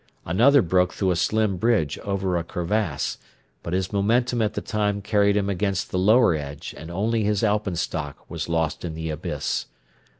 Another broke through a slim bridge over a crevasse, but his momentum at the time carried him against the lower edge and only his alpenstock was lost in the abyss.